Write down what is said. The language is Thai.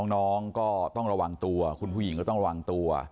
น้องก็ต้องระวังตัวคุณผู้หญิงก็ต้องระวังตัว